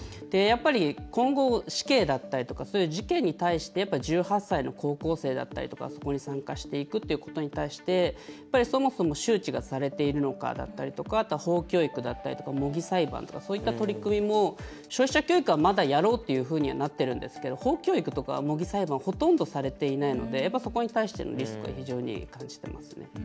やっぱり今後、死刑だったりとかそういう事件に対して１８歳の高校生だったりとかがそこに参加していくってことに対してそもそも周知がされているのかだったりとか、あとは法教育だったりとか模擬裁判とかそういった取り組みも消費者教育はまだやろうっていうふうにはなってるんですけど法教育とか模擬裁判はほとんどされていないのでそこに対してのリスクは非常に感じていますね。